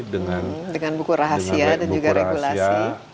dengan buku rahasia